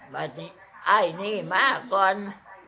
บ้านนี้อ่ายนี่มากร